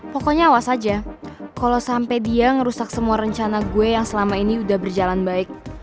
pokoknya awas aja kalau sampai dia ngerusak semua rencana gue yang selama ini udah berjalan baik